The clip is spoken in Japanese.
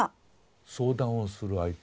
相談をする相手。